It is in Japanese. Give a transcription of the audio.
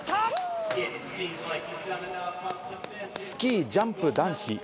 スキージャンプ男子。